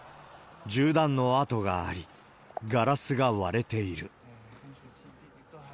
銃弾の痕があり、ガラスが割れている。